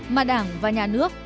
mà đảng và nhà nước